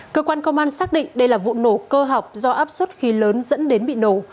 cơ quan công an xác định đây là vụ nổ cơ học do áp suất khí lớn dẫn đến bị nổ